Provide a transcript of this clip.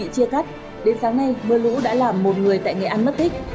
chia cắt đến sáng nay mưa lũ đã làm một người tại nghệ an mất tích